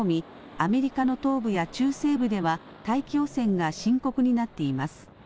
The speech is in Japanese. アメリカの東部や中西部では大気汚染が深刻になっています。